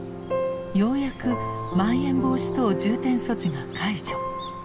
ようやくまん延防止等重点措置が解除。